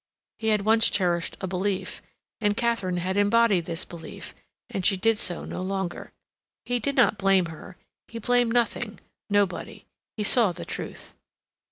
He had once cherished a belief, and Katharine had embodied this belief, and she did so no longer. He did not blame her; he blamed nothing, nobody; he saw the truth.